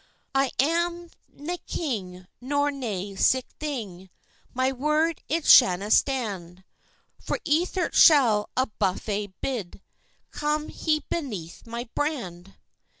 "I am nae king, nor nae sic thing: My word it shanna stand! For Ethert shall a buffet bide, Come he beneath my brand."